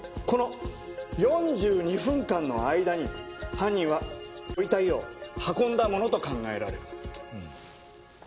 この４２分間の間に犯人はご遺体を運んだものと考えられる。